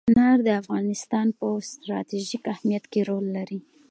انار د افغانستان په ستراتیژیک اهمیت کې رول لري.